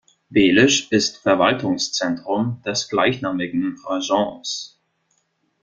Welisch ist Verwaltungszentrum des gleichnamigen Rajons.